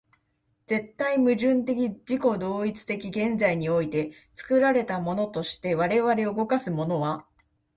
絶対矛盾的自己同一的現在において、作られたものとして我々を動かすものは、